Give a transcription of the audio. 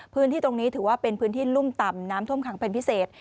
พื้นที่ตรงนี้ถือว่าเป็นพื้นที่รุ่มต่ำน้ำท่วมขังเป็นพิเศษ